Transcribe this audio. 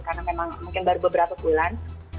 karena memang mungkin baru beberapa bulan